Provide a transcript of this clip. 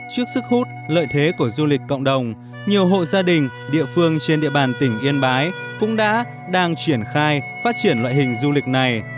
trước sức hút lợi thế của du lịch cộng đồng nhiều hộ gia đình địa phương trên địa bàn tỉnh yên bái cũng đã đang triển khai phát triển loại hình du lịch này